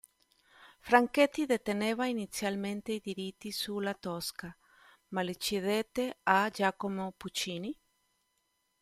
Franchetti deteneva inizialmente i diritti su "La Tosca", ma li cedette a Giacomo Puccini.